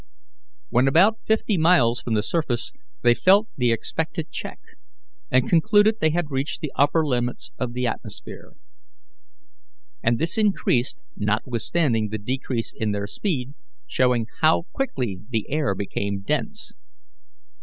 When about fifty miles from the surface they felt the expected check, and concluded they had reached the upper limits of the atmosphere. And this increased, notwithstanding the decrease in their speed, showing how quickly the air became dense.